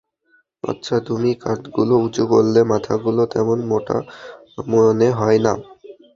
আচ্ছা, তুমি কাঁধগুলো উঁচু করলে মাথাগুলো তেমন মোটা মনে হয় না।